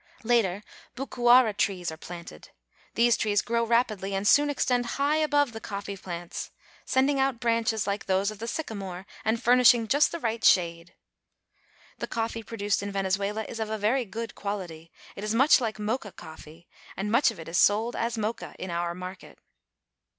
Later, bucuara trees are planted. These trees grow rapidly, and soon extend high above the coffee plants, sending out branches like those of the sycamore, and furnishing just the right shade. The coffee produced in Venezuela is of a very good quality. It is much hke mocha cofTee, and much of it is sold as mocha in our market.